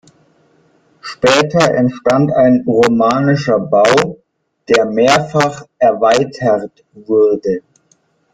Später entstand ein romanischer Bau, der mehrfach erweitert wurde.